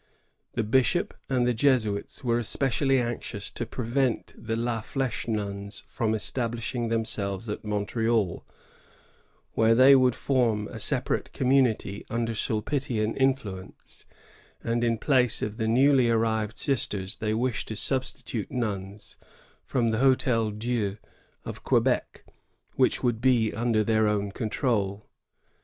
The bishop and the Jesuits were especially anxious to prevent the La Fldche nuns from establishing, themselves at Montreal, where they would form a separate community under Sulpitian in* fluence ; and in place of the newly arrived sisters they wished to substitute nims from the Hdtel Dieu of Que bec, who would be under their own control.